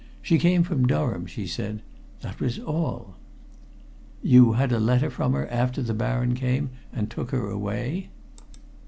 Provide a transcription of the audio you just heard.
She came from Durham, she said that was all." "You had a letter from her after the Baron came and took her away?"